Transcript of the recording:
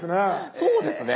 そうですね。